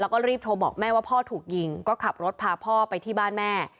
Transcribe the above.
แล้วก็รีบโทรบอกแม่ว่าพ่อถูกยิงก็ขับรถพาพ่อไปที่บ้านแม่